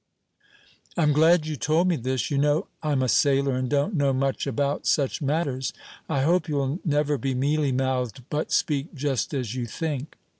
"I'm glad you told me this; you know I'm a sailor, and don't know much about such matters. I hope you'll never be mealy mouthed, but speak just as you think."